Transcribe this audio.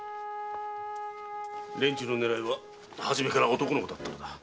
連中の狙いは始めから男の子だったんだ。